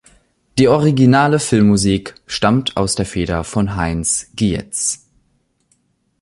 Die originale Filmmusik stammt aus der Feder von Heinz Gietz.